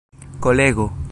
kolego